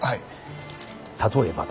例えばだ。